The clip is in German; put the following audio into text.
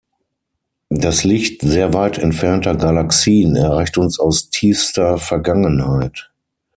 Das Licht sehr weit entfernter Galaxien erreicht uns aus tiefster Vergangenheit.